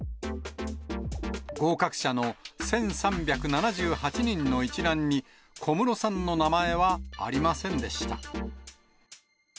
合格者の１３７８人の一覧に、小室さんの名前はありませんでした。